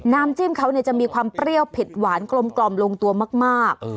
น้ำจิ้มเขาจะมีความเปรี้ยวเผ็ดหวานกลมลงตัวมาก